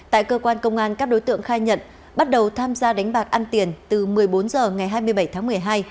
tại cơ quan công an các đối tượng khai nhận bắt đầu tham gia đánh bạc ăn tiền từ một mươi bốn h ngày hai mươi bảy tháng một mươi hai